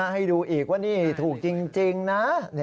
ให้ดูอีกว่านี่ถูกจริงนะ